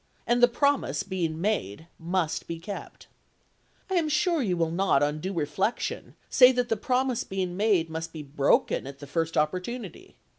And the promise being made, must be kept.' I am sure you will not, on due reflection, say that the promise being made must be broken at the first opportunity.